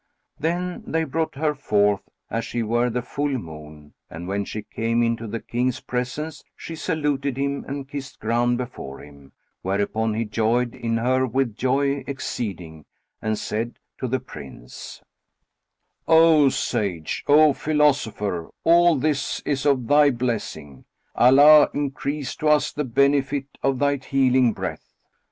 Then they brought her forth, as she were the full moon; and, when she came into the King's presence, she saluted him and kissed ground before him; whereupon he joyed in her with joy exceeding and said to the Prince, "O Sage, O philosopher, all this is of thy blessing. Allah increase to us the benefit of thy healing breath!"